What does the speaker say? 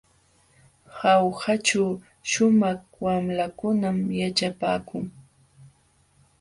Jaujaćhu shumaq wamlakunam yaćhapaakun.